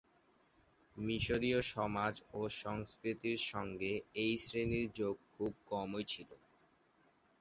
মিশরীয় সমাজ ও সংস্কৃতির সঙ্গে এই শ্রেণির যোগ খুব কমই ছিল।